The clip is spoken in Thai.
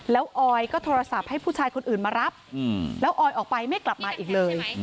แล้วออยก็โทรศัพท์ให้ผู้ชายคนอื่นมารับแล้วออยออกไปไม่กลับมาอีกเลย